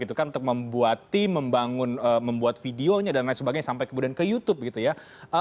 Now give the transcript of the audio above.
untuk membuat tim membangun membuat videonya dan lain sebagainya sampai kemudian ke youtube